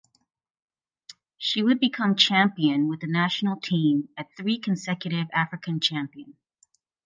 She would become champion with the national team at three consecutive African Champion.